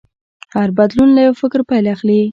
هر بدلون له یو فکر پیل اخلي.